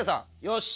よし！